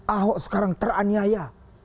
ahok sekarang teraniaya